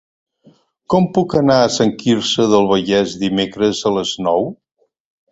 Com puc anar a Sant Quirze del Vallès dimecres a les nou?